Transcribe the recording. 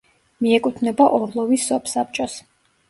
მიეკუთვნება ორლოვის სოფსაბჭოს.